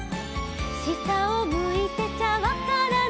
「したをむいてちゃわからない」